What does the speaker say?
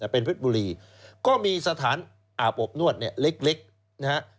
เป็นเพชรบุรีก็มีสถานอาบอบนวดเล็กนะครับ